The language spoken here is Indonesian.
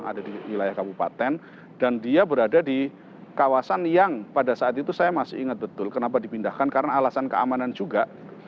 ada di wilayah kabupaten dan dia berada di kawasan yang pada saat itu saya masih ingat betul kenapa dipindahkan karena alasan keamanan juga